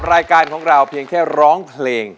รายการของเราเพียงแค่ร้องเพลง